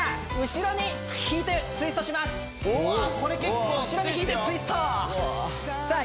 後ろに引いてツイストさあ